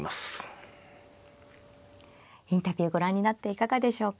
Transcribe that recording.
インタビューご覧になっていかがでしょうか。